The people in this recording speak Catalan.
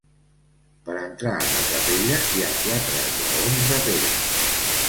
Per entrar en la capella, hi ha quatre esgraons de pedra.